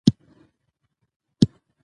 لیکوال په همدې ویاړ ژوند کوي.